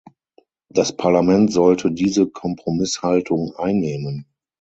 Das Parlament sollte diese Kompromisshaltung einnehmen.